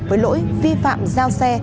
với lỗi vi phạm giao xe